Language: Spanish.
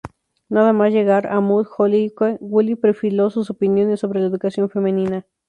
Nada más llegar a Mount Holyoke, Woolley perfiló sus opiniones sobre la educación femenina.